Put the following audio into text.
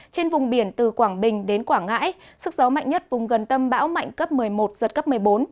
trên vùng biển từ quảng bình đến quảng ngãi sức gió mạnh nhất vùng gần tâm bão mạnh cấp một mươi một giật cấp một mươi bốn